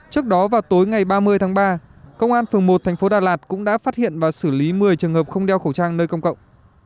trước đó vào tối ngày ba mươi tháng ba công an phường một thành phố đà lạt cũng đã phát hiện và xử lý một mươi trường hợp không đeo khẩu trang nơi công cộng